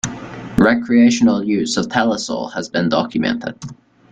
Recreational use of Telazol has been documented.